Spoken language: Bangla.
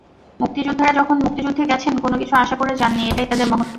মুক্তিযোদ্ধারা যখন মুক্তিযুদ্ধে গেছেন, কোনো কিছু আশা করে যাননি, এটাই তাঁদের মহত্ত্ব।